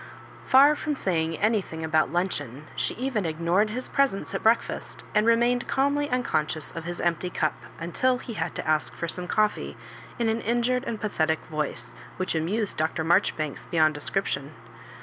Far from saying anything about luncheon, she even ignored his presence at breakfast, and remained (Silmly unconscious of his empty cup, until he had to ask for some coffee in an injured and pathetic voice, which amused Dr. Marjoribanks beyond description.